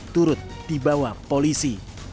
turut di bawa polisi